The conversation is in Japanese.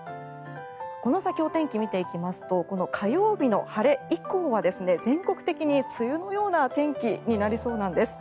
この先、お天気を見ていきますと火曜日の晴れ以降は全国的に梅雨のような天気になりそうなんです。